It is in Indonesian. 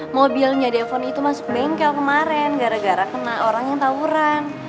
mobilnya defon itu masuk bengkel kemarin gara gara kena orang yang tawuran